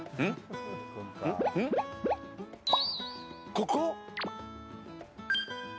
ここ？